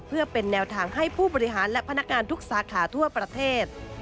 เพื่อเป็นแนวทางให้ผู้บริหารและพนักงานทุกสาขาทั่วประเทศ